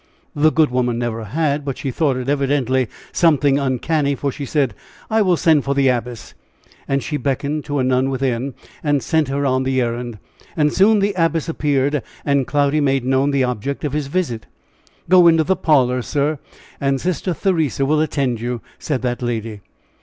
The good woman never had, but she thought it evidently something "uncanny," for she said, "I will send for the Abbess;" and she beckoned to a nun within, and sent her on the errand and soon the Abbess appeared, and Cloudy made known the object of his visit. "Go into the parlor, sir, and Sister Theresa will attend you," said that lady.